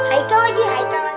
haikal lagi haikal lagi